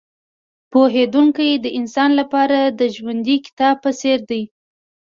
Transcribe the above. پوهېدونکی د انسان لپاره د ژوندي کتاب په څېر دی.